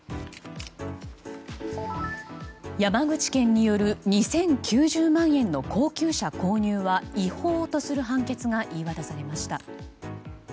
山口県による２０９０万円の高級車購入は違法とする判決が言い渡されました。